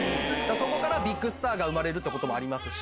そこからビッグスターが生まれるということもありますし。